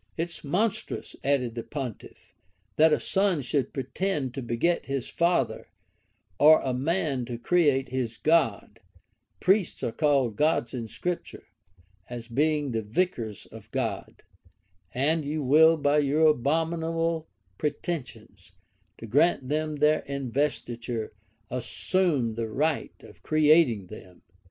] "It is monstrous," added the pontiff, "that a son should pretend to beget his father, or a man to create his God: priests are called gods in Scripture, as being the vicars of God; and will you, by your abominable pretensions to grant them their investiture, assume the right of creating them?"